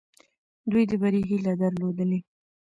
دوی د بري هیله درلودلې.